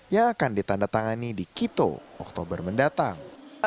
yang akan ditandatangani di kito oktober mendatang